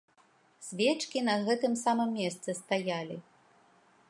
Свечкі на гэтым самым месцы стаялі.